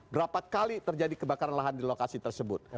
berapa kali terjadi kebakaran lahan di lokasi tersebut